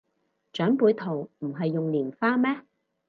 長輩圖唔係用蓮花咩